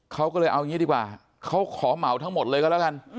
เขาก็เลยเอาอย่างนี้ดีกว่าเขาขอเหมาทั้งหมดเลยก็แล้วกัน